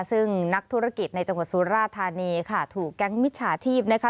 ซึ่งนักธุรกิจในจังหวัดสุราธานีค่ะถูกแก๊งมิจฉาชีพนะคะ